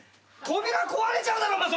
扉壊れちゃうだろうが。